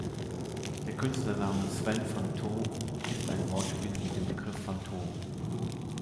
Der Künstlername "Sven van Thom" ist ein Wortspiel mit dem Begriff „Phantom“.